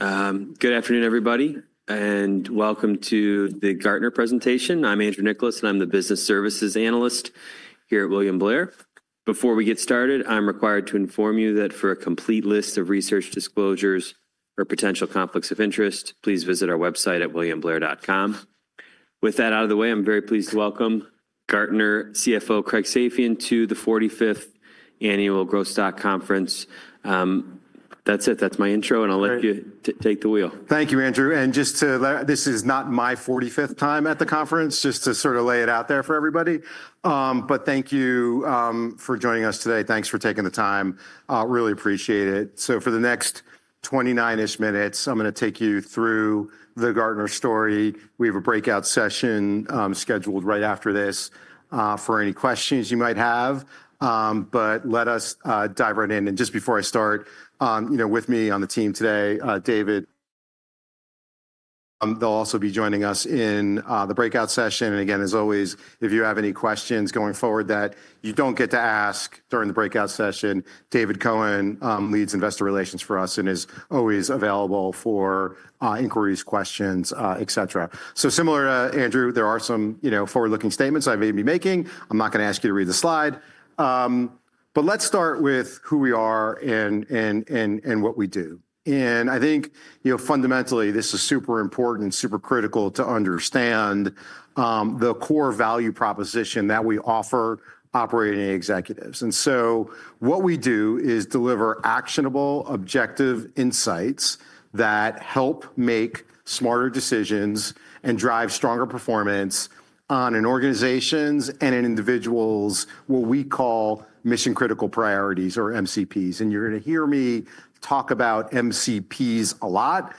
All right. Good afternoon, everybody, and welcome to the Gartner presentation. I'm Andrew Nicholas, and I'm the business services analyst here at William Blair. Before we get started, I'm required to inform you that for a complete list of research disclosures or potential conflicts of interest, please visit our website at williamblair.com. With that out of the way, I'm very pleased to welcome Gartner CFO Craig Safian to the 45th annual Growth Stock Conference. That's it. That's my intro, and I'll let you take the wheel. Thank you, Andrew. Just to let you know, this is not my 45th time at the conference, just to sort of lay it out there for everybody. Thank you for joining us today. Thanks for taking the time. Really appreciate it. For the next 29-ish minutes, I'm going to take you through the Gartner story. We have a breakout session scheduled right after this for any questions you might have. Let us dive right in. Just before I start, you know, with me on the team today, David, they'll also be joining us in the breakout session. Again, as always, if you have any questions going forward that you don't get to ask during the breakout session, David Cohen leads investor relations for us and is always available for inquiries, questions, etc. So similar to Andrew, there are some, you know, forward-looking statements I may be making. I'm not going to ask you to read the slide. Let's start with who we are and what we do. I think, you know, fundamentally, this is super important, super critical to understand the core value proposition that we offer operating executives. What we do is deliver actionable, objective insights that help make smarter decisions and drive stronger performance on an organization's and an individual's what we call mission-critical priorities or MCPs. You're going to hear me talk about MCPs a lot.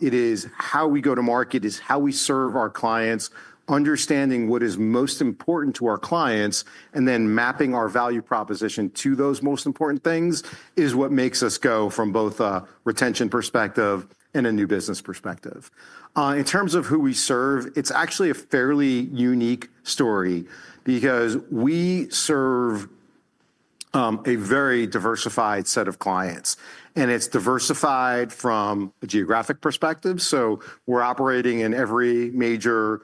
It is how we go to market, it is how we serve our clients, understanding what is most important to our clients, and then mapping our value proposition to those most important things is what makes us go from both a retention perspective and a new business perspective. In terms of who we serve, it's actually a fairly unique story because we serve a very diversified set of clients, and it's diversified from a geographic perspective. We are operating in every major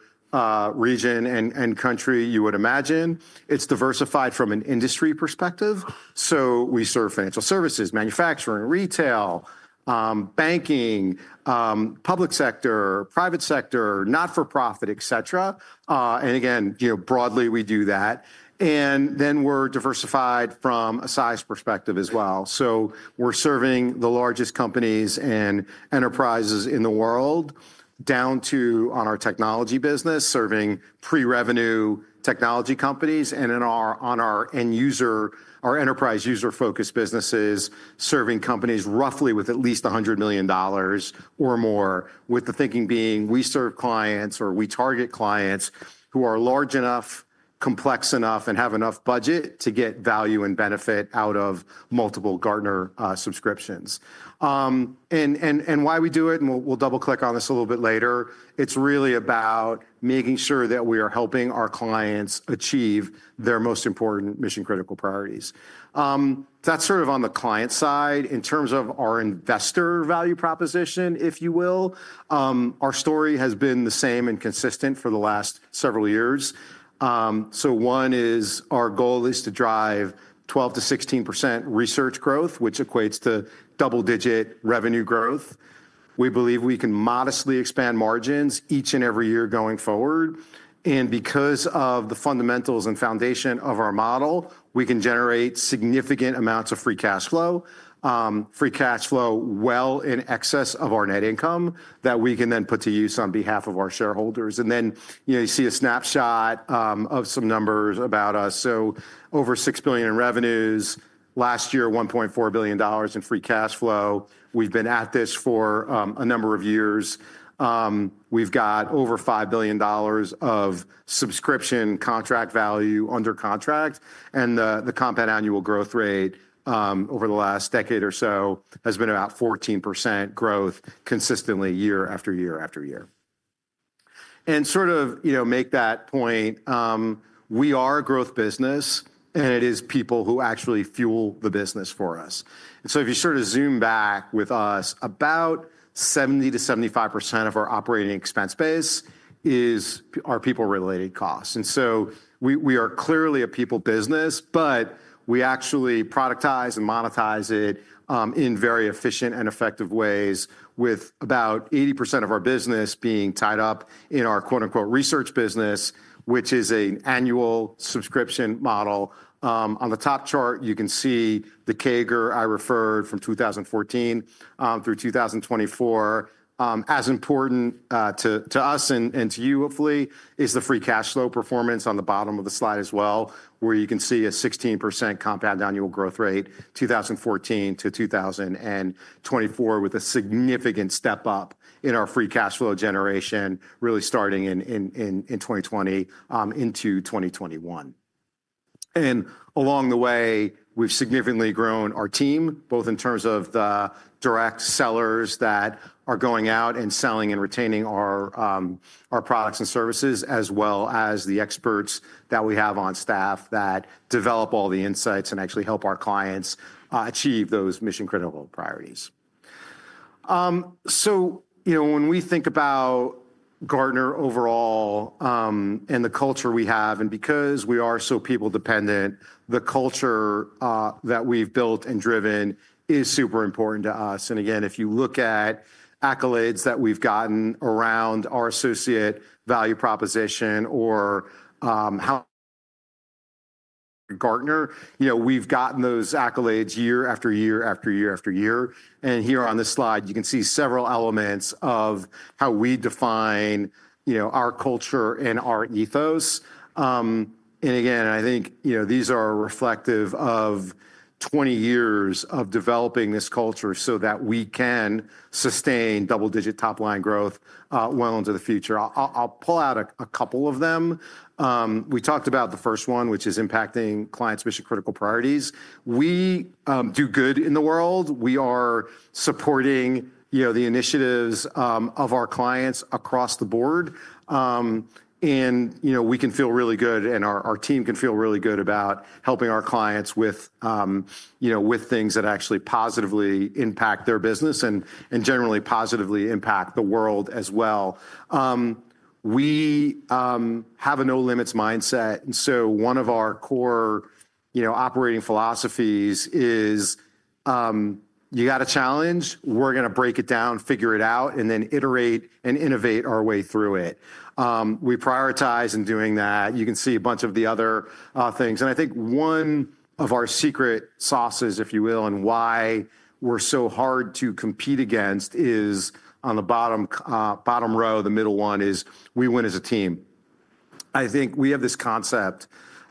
region and country you would imagine. It's diversified from an industry perspective. We serve financial services, manufacturing, retail, banking, public sector, private sector, not-for-profit, etc. Again, you know, broadly, we do that. We are diversified from a size perspective as well. We are serving the largest companies and enterprises in the world down to, on our technology business, serving pre-revenue technology companies, and on our end user, our enterprise user-focused businesses, serving companies roughly with at least $100 million or more, with the thinking being we serve clients or we target clients who are large enough, complex enough, and have enough budget to get value and benefit out of multiple Gartner subscriptions. Why we do it, and we'll double-click on this a little bit later, it's really about making sure that we are helping our clients achieve their most important mission-critical priorities. That's sort of on the client side. In terms of our investor value proposition, if you will, our story has been the same and consistent for the last several years. One is our goal is to drive 12%-16% research growth, which equates to double-digit revenue growth. We believe we can modestly expand margins each and every year going forward. Because of the fundamentals and foundation of our model, we can generate significant amounts of free cash flow, free cash flow well in excess of our net income that we can then put to use on behalf of our shareholders. You know, you see a snapshot of some numbers about us. Over $6 billion in revenues last year, $1.4 billion in free cash flow. We've been at this for a number of years. We've got over $5 billion of subscription contract value under contract. The compound annual growth rate over the last decade or so has been about 14% growth consistently year after year after year. Sort of, you know, make that point. We are a growth business, and it is people who actually fuel the business for us. If you sort of zoom back with us, about 70-75% of our operating expense base is our people-related costs. We are clearly a people business, but we actually productize and monetize it in very efficient and effective ways, with about 80% of our business being tied up in our quote-unquote research business, which is an annual subscription model. On the top chart, you can see the CAGR I referred from 2014 through 2024. As important to us and to you, hopefully, is the free cash flow performance on the bottom of the slide as well, where you can see a 16% compound annual growth rate, 2014 to 2024, with a significant step up in our free cash flow generation, really starting in 2020 into 2021. Along the way, we've significantly grown our team, both in terms of the direct sellers that are going out and selling and retaining our products and services, as well as the experts that we have on staff that develop all the insights and actually help our clients achieve those mission-critical priorities. You know, when we think about Gartner overall and the culture we have, and because we are so people-dependent, the culture that we've built and driven is super important to us. Again, if you look at accolades that we've gotten around our associate value proposition or how Gartner, you know, we've gotten those accolades year after year after year after year. Here on this slide, you can see several elements of how we define, you know, our culture and our ethos. Again, I think, you know, these are reflective of 20 years of developing this culture so that we can sustain double-digit top-line growth well into the future. I'll pull out a couple of them. We talked about the first one, which is impacting clients' mission-critical priorities. We do good in the world. We are supporting, you know, the initiatives of our clients across the board. You know, we can feel really good, and our team can feel really good about helping our clients with, you know, with things that actually positively impact their business and generally positively impact the world as well. We have a no-limits mindset. One of our core, you know, operating philosophies is you got a challenge, we are going to break it down, figure it out, and then iterate and innovate our way through it. We prioritize in doing that. You can see a bunch of the other things. I think one of our secret sauces, if you will, and why we are so hard to compete against is on the bottom row, the middle one is we win as a team. I think we have this concept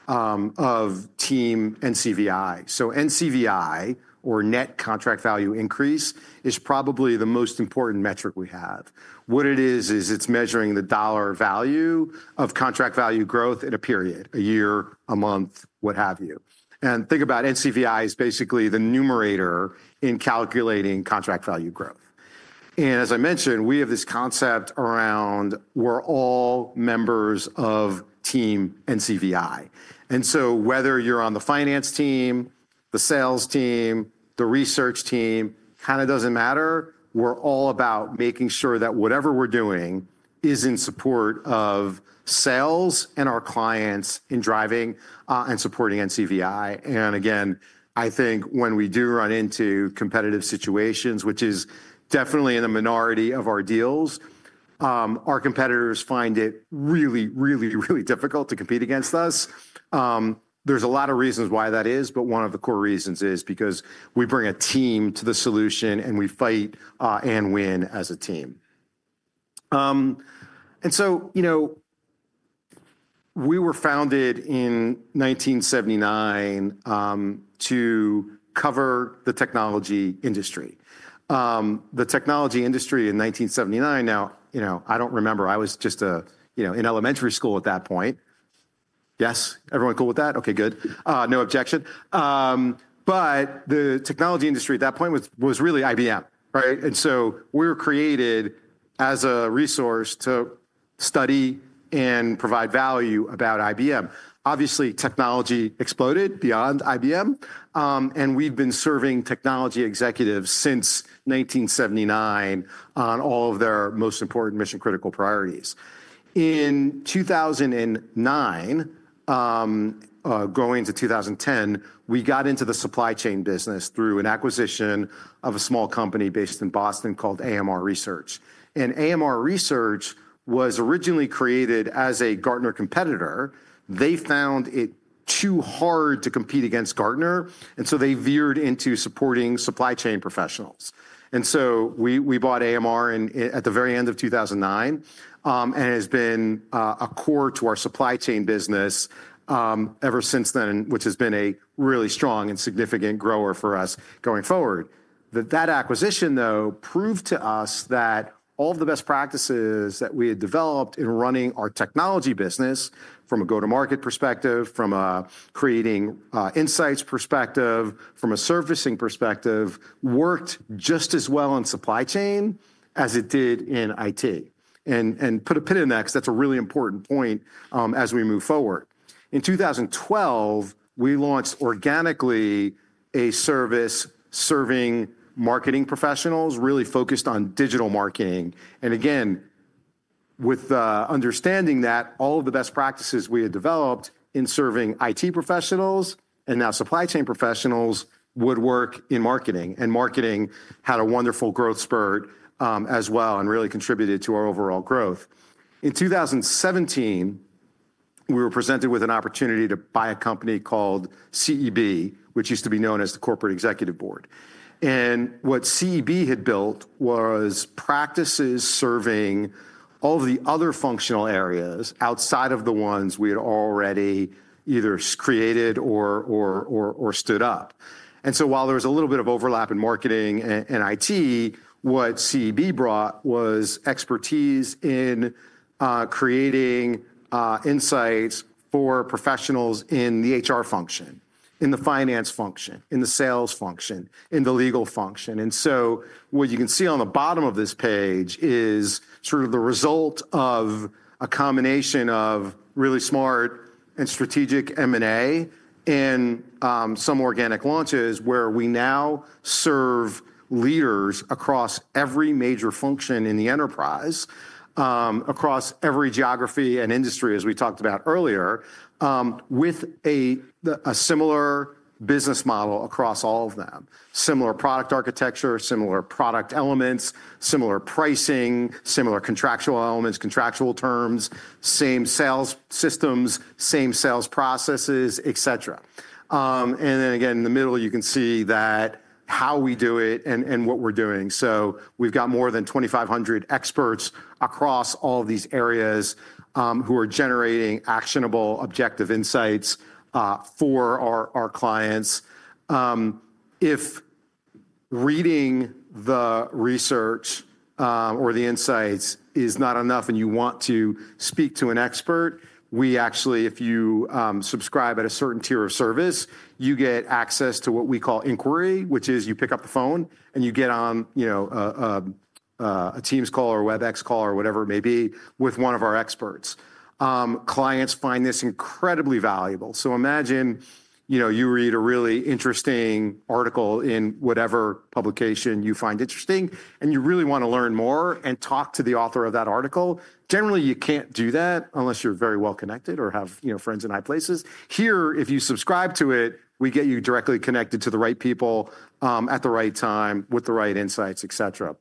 of team NCVI. So NCVI, or net contract value increase, is probably the most important metric we have. What it is, is it's measuring the dollar value of contract value growth in a period, a year, a month, what have you. Think about NCVI as basically the numerator in calculating contract value growth. As I mentioned, we have this concept around we're all members of team NCVI. Whether you're on the finance team, the sales team, the research team, kind of doesn't matter. We're all about making sure that whatever we're doing is in support of sales and our clients in driving and supporting NCVI. Again, I think when we do run into competitive situations, which is definitely in the minority of our deals, our competitors find it really, really, really difficult to compete against us. There's a lot of reasons why that is, but one of the core reasons is because we bring a team to the solution and we fight and win as a team. You know, we were founded in 1979 to cover the technology industry. The technology industry in 1979, now, you know, I don't remember. I was just a, you know, in elementary school at that point. Yes? Everyone cool with that? Okay, good. No objection. The technology industry at that point was really IBM, right? We were created as a resource to study and provide value about IBM. Obviously, technology exploded beyond IBM, and we've been serving technology executives since 1979 on all of their most important mission-critical priorities. In 2009, going into 2010, we got into the supply chain business through an acquisition of a small company based in Boston called AMR Research. AMR Research was originally created as a Gartner competitor. They found it too hard to compete against Gartner, and so they veered into supporting supply chain professionals. We bought AMR at the very end of 2009 and it has been core to our supply chain business ever since then, which has been a really strong and significant grower for us going forward. That acquisition, though, proved to us that all of the best practices that we had developed in running our technology business from a go-to-market perspective, from a creating insights perspective, from a servicing perspective, worked just as well on supply chain as it did in IT. Put a pin in that because that is a really important point as we move forward. In 2012, we launched organically a service serving marketing professionals really focused on digital marketing. With understanding that all of the best practices we had developed in serving IT professionals and now supply chain professionals would work in marketing, and marketing had a wonderful growth spurt as well and really contributed to our overall growth. In 2017, we were presented with an opportunity to buy a company called CEB, which used to be known as the Corporate Executive Board. What CEB had built was practices serving all of the other functional areas outside of the ones we had already either created or stood up. While there was a little bit of overlap in marketing and IT, what CEB brought was expertise in creating insights for professionals in the HR function, in the finance function, in the sales function, in the legal function. What you can see on the bottom of this page is sort of the result of a combination of really smart and strategic M&A and some organic launches where we now serve leaders across every major function in the enterprise, across every geography and industry, as we talked about earlier, with a similar business model across all of them, similar product architecture, similar product elements, similar pricing, similar contractual elements, contractual terms, same sales systems, same sales processes, etc. In the middle, you can see that how we do it and what we're doing. We have more than 2,500 experts across all of these areas who are generating actionable objective insights for our clients. If reading the research or the insights is not enough and you want to speak to an expert, we actually, if you subscribe at a certain tier of service, you get access to what we call inquiry, which is you pick up the phone and you get on, you know, a Teams call or a Webex call or whatever it may be with one of our experts. Clients find this incredibly valuable. Imagine, you know, you read a really interesting article in whatever publication you find interesting, and you really want to learn more and talk to the author of that article. Generally, you can't do that unless you're very well connected or have, you know, friends in high places. Here, if you subscribe to it, we get you directly connected to the right people at the right time with the right insights, etc.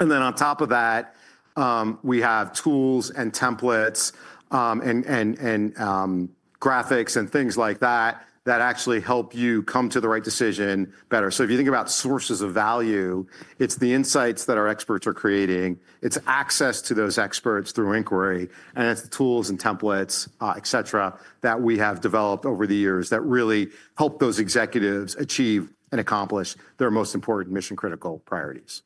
On top of that, we have tools and templates and graphics and things like that that actually help you come to the right decision better. If you think about sources of value, it's the insights that our experts are creating. It's access to those experts through inquiry, and it's the tools and templates, etc., that we have developed over the years that really help those executives achieve and accomplish their most important mission-critical priorities.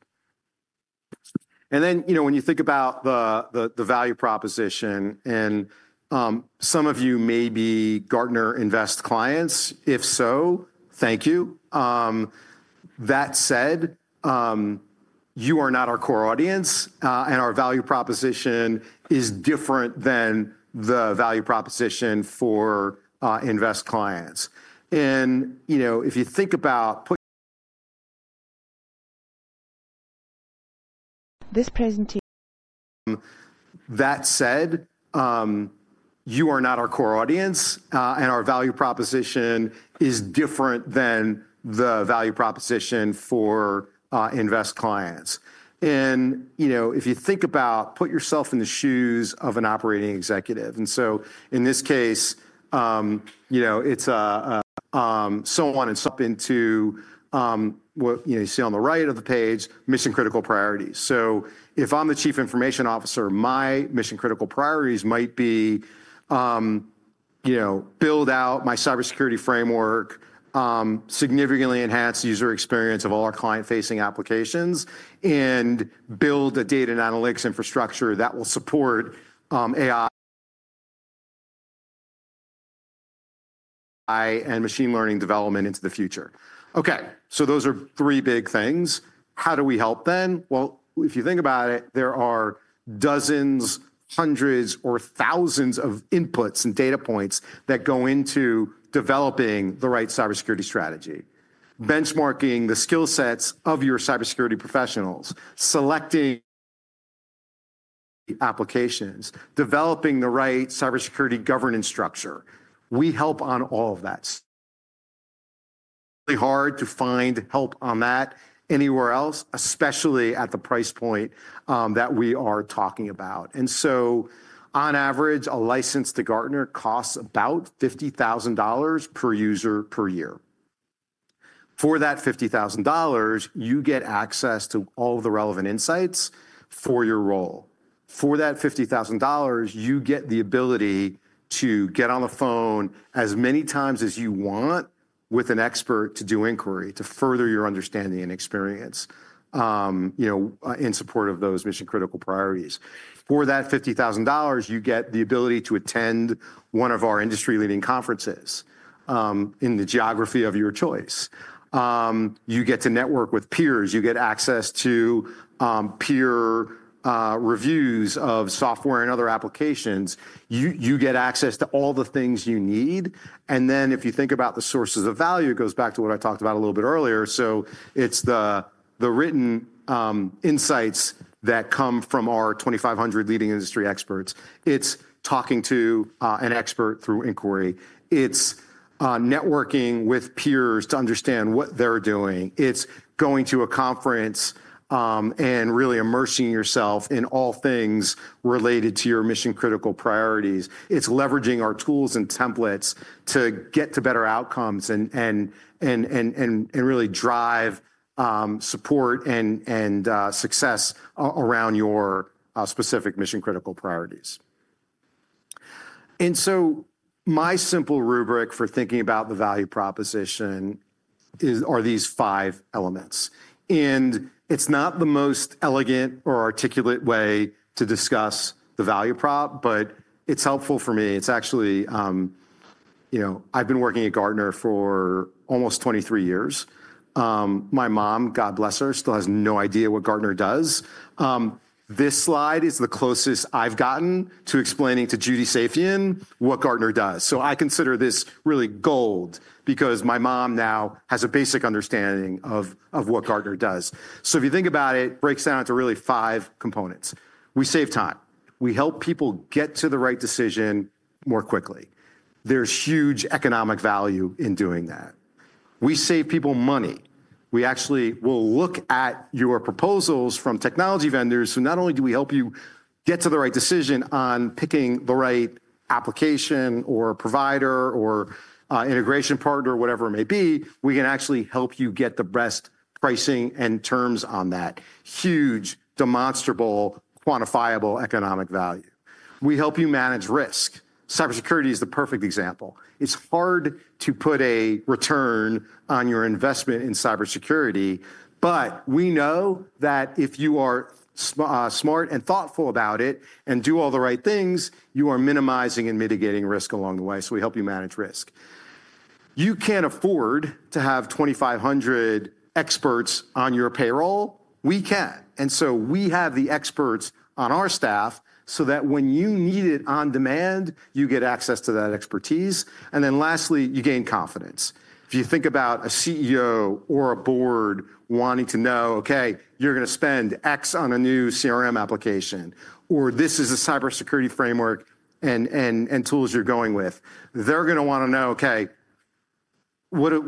You know, when you think about the value proposition, and some of you may be Gartner Invest clients, if so, thank you. That said, you are not our core audience, and our value proposition is different than the value proposition for Invest clients. You know, if you think about this presentation, that said, you are not our core audience, and our value proposition is different than the value proposition for Invest clients. You know, if you think about putting yourself in the shoes of an operating executive, and so in this case, you know, it is a so on and so up into what you see on the right of the page, mission-critical priorities. If I am the Chief Information Officer, my mission-critical priorities might be, you know, build out my cybersecurity framework, significantly enhance the user experience of all our client-facing applications, and build a data and analytics infrastructure that will support AI and machine learning development into the future. Okay, those are three big things. How do we help then? If you think about it, there are dozens, hundreds, or thousands of inputs and data points that go into developing the right cybersecurity strategy, benchmarking the skill sets of your cybersecurity professionals, selecting applications, developing the right cybersecurity governance structure. We help on all of that. It's really hard to find help on that anywhere else, especially at the price point that we are talking about. On average, a license to Gartner costs about $50,000 per user per year. For that $50,000, you get access to all of the relevant insights for your role. For that $50,000, you get the ability to get on the phone as many times as you want with an expert to do inquiry to further your understanding and experience, you know, in support of those mission-critical priorities. For that $50,000, you get the ability to attend one of our industry-leading conferences in the geography of your choice. You get to network with peers. You get access to peer reviews of software and other applications. You get access to all the things you need. If you think about the sources of value, it goes back to what I talked about a little bit earlier. It is the written insights that come from our 2,500 leading industry experts. It is talking to an expert through inquiry. It is networking with peers to understand what they're doing. It is going to a conference and really immersing yourself in all things related to your mission-critical priorities. It is leveraging our tools and templates to get to better outcomes and really drive support and success around your specific mission-critical priorities. My simple rubric for thinking about the value proposition are these five elements. It's not the most elegant or articulate way to discuss the value prop, but it's helpful for me. It's actually, you know, I've been working at Gartner for almost 23 years. My mom, God bless her, still has no idea what Gartner does. This slide is the closest I've gotten to explaining to Judy Safian what Gartner does. I consider this really gold because my mom now has a basic understanding of what Gartner does. If you think about it, it breaks down into really five components. We save time. We help people get to the right decision more quickly. There's huge economic value in doing that. We save people money. We actually will look at your proposals from technology vendors who not only do we help you get to the right decision on picking the right application or provider or integration partner or whatever it may be, we can actually help you get the best pricing and terms on that huge, demonstrable, quantifiable economic value. We help you manage risk. Cybersecurity is the perfect example. It's hard to put a return on your investment in cybersecurity, but we know that if you are smart and thoughtful about it and do all the right things, you are minimizing and mitigating risk along the way. We help you manage risk. You can't afford to have 2,500 experts on your payroll. We can. We have the experts on our staff so that when you need it on demand, you get access to that expertise. Lastly, you gain confidence. If you think about a CEO or a board wanting to know, okay, you're going to spend X on a new CRM application, or this is a cybersecurity framework and tools you're going with, they're going to want to know, okay, what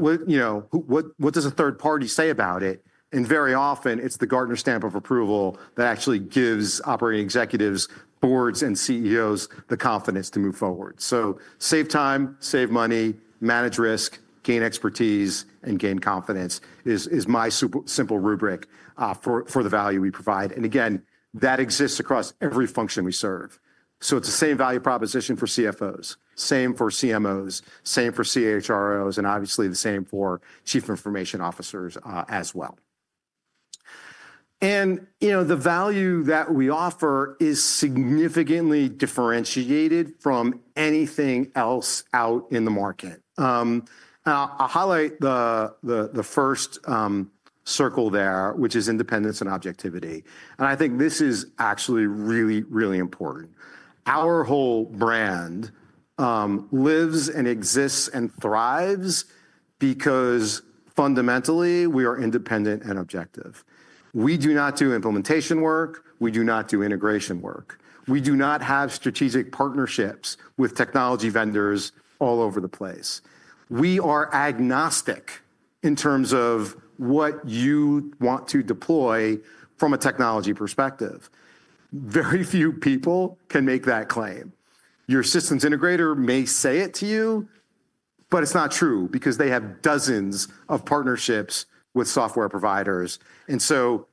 does a third party say about it? And very often, it's the Gartner stamp of approval that actually gives operating executives, boards, and CEOs the confidence to move forward. Save time, save money, manage risk, gain expertise, and gain confidence is my simple rubric for the value we provide. Again, that exists across every function we serve. It's the same value proposition for CFOs, same for CMOs, same for CHROs, and obviously the same for chief information officers as well. You know, the value that we offer is significantly differentiated from anything else out in the market. I'll highlight the first circle there, which is independence and objectivity. I think this is actually really, really important. Our whole brand lives and exists and thrives because fundamentally we are independent and objective. We do not do implementation work. We do not do integration work. We do not have strategic partnerships with technology vendors all over the place. We are agnostic in terms of what you want to deploy from a technology perspective. Very few people can make that claim. Your systems integrator may say it to you, but it's not true because they have dozens of partnerships with software providers.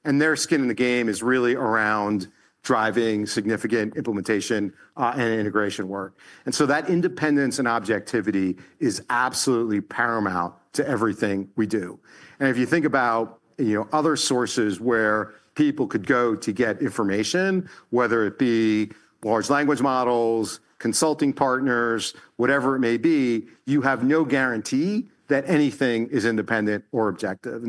Their skin in the game is really around driving significant implementation and integration work. That independence and objectivity is absolutely paramount to everything we do. If you think about, you know, other sources where people could go to get information, whether it be large language models, consulting partners, whatever it may be, you have no guarantee that anything is independent or objective.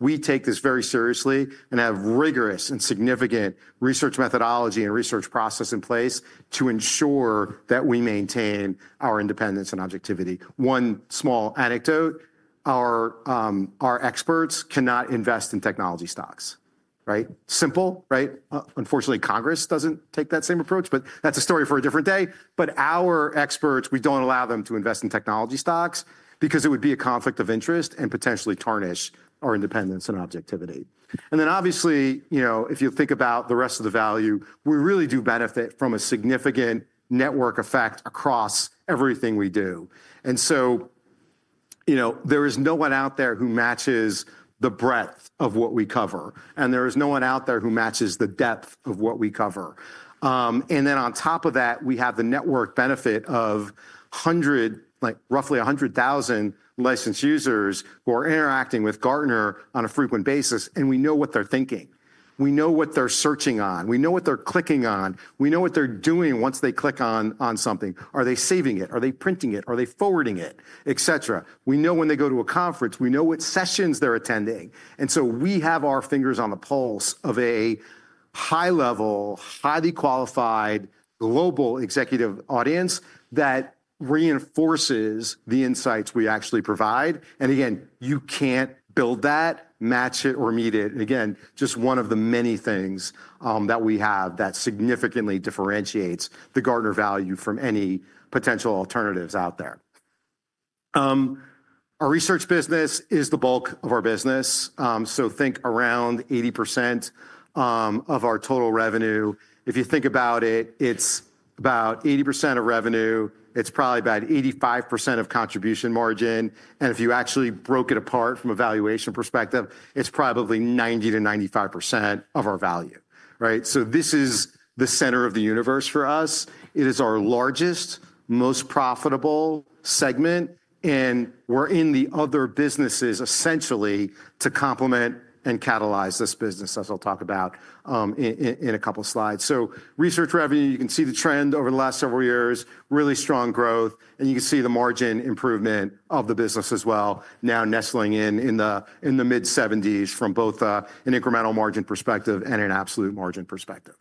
We take this very seriously and have rigorous and significant research methodology and research process in place to ensure that we maintain our independence and objectivity. One small anecdote, our experts cannot invest in technology stocks, right? Simple, right? Unfortunately, Congress does not take that same approach, but that is a story for a different day. Our experts, we do not allow them to invest in technology stocks because it would be a conflict of interest and potentially tarnish our independence and objectivity. Obviously, you know, if you think about the rest of the value, we really do benefit from a significant network effect across everything we do. You know, there is no one out there who matches the breadth of what we cover. There is no one out there who matches the depth of what we cover. On top of that, we have the network benefit of roughly 100,000 licensed users who are interacting with Gartner on a frequent basis. We know what they're thinking. We know what they're searching on. We know what they're clicking on. We know what they're doing once they click on something. Are they saving it? Are they printing it? Are they forwarding it? Etc. We know when they go to a conference. We know what sessions they're attending. We have our fingers on the pulse of a high-level, highly qualified global executive audience that reinforces the insights we actually provide. Again, you can't build that, match it, or meet it. Again, just one of the many things that we have that significantly differentiates the Gartner value from any potential alternatives out there. Our Research business is the bulk of our business. Think around 80% of our total revenue. If you think about it, it's about 80% of revenue. It's probably about 85% of contribution margin. If you actually broke it apart from a valuation perspective, it's probably 90-95% of our value, right? This is the center of the universe for us. It is our largest, most profitable segment. We're in the other businesses essentially to complement and catalyze this business, as I'll talk about in a couple of slides. Research revenue, you can see the trend over the last several years, really strong growth. You can see the margin improvement of the business as well, now nestling in in the mid-70s from both an incremental margin perspective and an absolute margin perspective.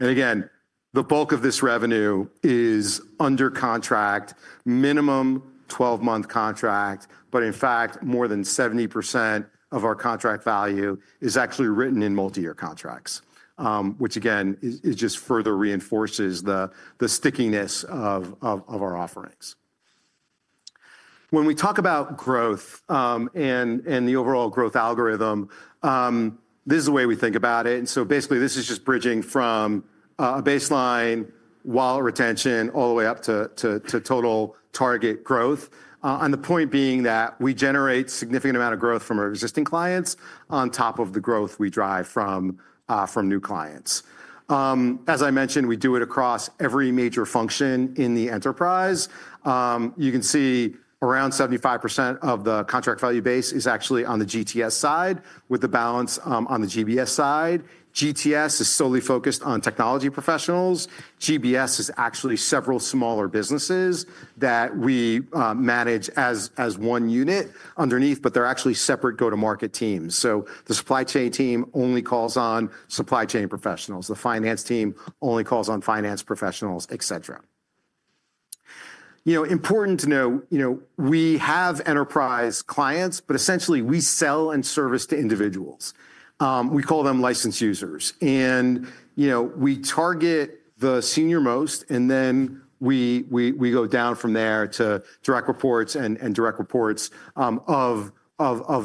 Again, the bulk of this revenue is under contract, minimum 12-month contract, but in fact, more than 70% of our contract value is actually written in multi-year contracts, which again, just further reinforces the stickiness of our offerings. When we talk about growth and the overall growth algorithm, this is the way we think about it. Basically, this is just bridging from a baseline wallet retention all the way up to total target growth, the point being that we generate a significant amount of growth from our existing clients on top of the growth we drive from new clients. As I mentioned, we do it across every major function in the enterprise. You can see around 75% of the contract value base is actually on the GTS side, with the balance on the GBS side. GTS is solely focused on technology professionals. GBS is actually several smaller businesses that we manage as one unit underneath, but they're actually separate go-to-market teams. The supply chain team only calls on supply chain professionals. The finance team only calls on finance professionals, etc. You know, important to know, you know, we have enterprise clients, but essentially we sell and service to individuals. We call them licensed users. And you know, we target the senior most, and then we go down from there to direct reports and direct reports of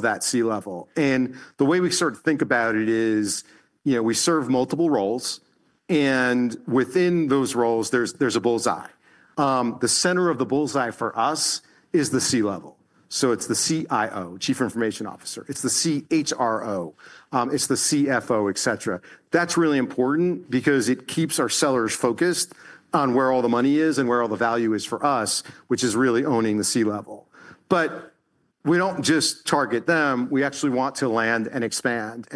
that C-level. The way we sort of think about it is, you know, we serve multiple roles. And within those roles, there's a bullseye. The center of the bullseye for us is the C-level. It's the CIO, Chief Information Officer. It's the CHRO. It's the CFO, etc. That's really important because it keeps our sellers focused on where all the money is and where all the value is for us, which is really owning the C-level. We don't just target them. We actually want to land and expand.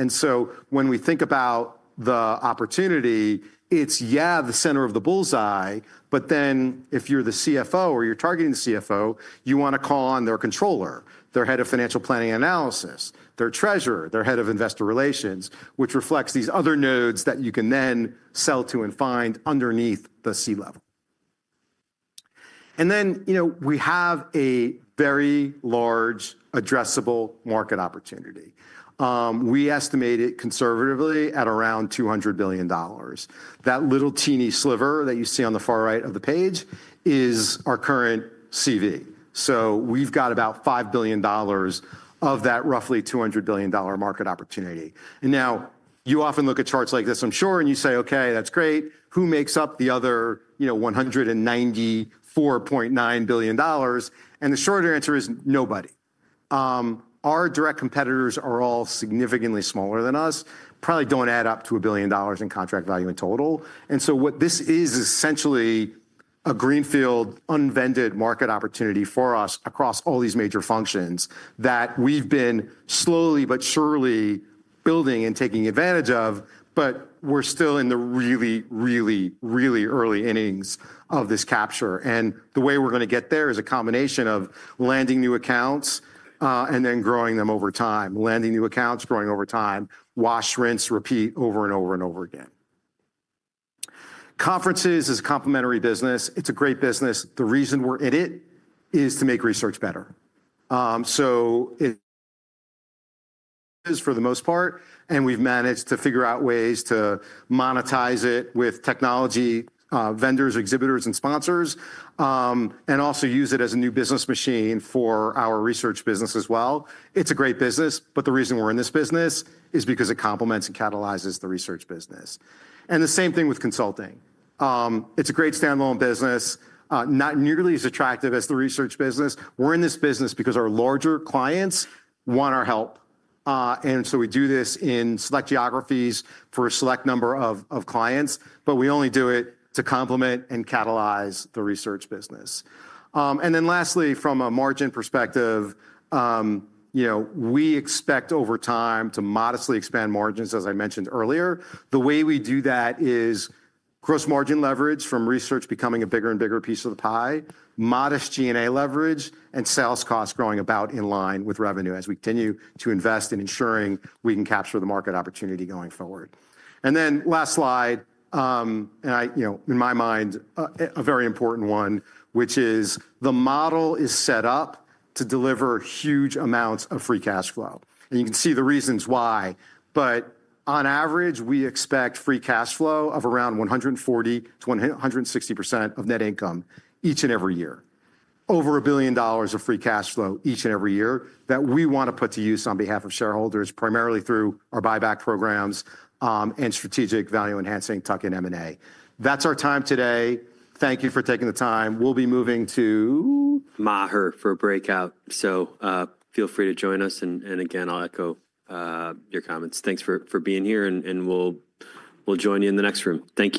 When we think about the opportunity, it's, yeah, the center of the bullseye, but then if you're the CFO or you're targeting the CFO, you want to call on their controller, their head of financial planning and analysis, their treasurer, their head of investor relations, which reflects these other nodes that you can then sell to and find underneath the C-level. You know, we have a very large addressable market opportunity. We estimate it conservatively at around $200 billion. That little teeny sliver that you see on the far right of the page is our current CV. So we've got about $5 billion of that roughly $200 billion market opportunity. And now you often look at charts like this, I'm sure, and you say, okay, that's great. Who makes up the other, you know, $194.9 billion? And the short answer is nobody. Our direct competitors are all significantly smaller than us, probably don't add up to a billion dollars in contract value in total. And so what this is is essentially a greenfield unvended market opportunity for us across all these major functions that we've been slowly but surely building and taking advantage of, but we're still in the really, really, really early innings of this capture. The way we're going to get there is a combination of landing new accounts and then growing them over time, landing new accounts, growing over time, wash, rinse, repeat over and over and over again. Conferences is a complementary business. It's a great business. The reason we're in it is to make research better. It is for the most part, and we've managed to figure out ways to monetize it with technology, vendors, exhibitors, and sponsors, and also use it as a new business machine for our research business as well. It's a great business, but the reason we're in this business is because it complements and catalyzes the research business. The same thing with consulting. It's a great standalone business, not nearly as attractive as the research business. We're in this business because our larger clients want our help. We do this in select geographies for a select number of clients, but we only do it to complement and catalyze the research business. Lastly, from a margin perspective, you know, we expect over time to modestly expand margins, as I mentioned earlier. The way we do that is gross margin leverage from research becoming a bigger and bigger piece of the pie, modest G&A leverage, and sales costs growing about in line with revenue as we continue to invest in ensuring we can capture the market opportunity going forward. Last slide, and I, you know, in my mind, a very important one, which is the model is set up to deliver huge amounts of free cash flow. You can see the reasons why, but on average, we expect free cash flow of around 140%-160% of net income each and every year. Over a billion dollars of free cash flow each and every year that we want to put to use on behalf of shareholders, primarily through our buyback programs and strategic value enhancing tuck in M&A. That is our time today. Thank you for taking the time. We will be moving to Maher for a breakout. Feel free to join us. Again, I will echo your comments. Thanks for being here, and we will join you in the next room. Thank you.